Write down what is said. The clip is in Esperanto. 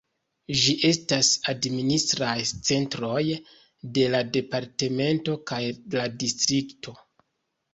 Ĝi estas administraj centroj de la departemento kaj la distrikto.